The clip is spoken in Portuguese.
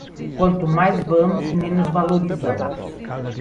Quanto mais vamos, menos valorizamos.